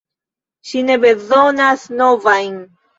Ŝi ne bezonas novajn!